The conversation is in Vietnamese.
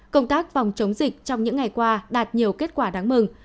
công tác phòng chống dịch trong những ngày qua đạt nhiều kết quả đáng mừng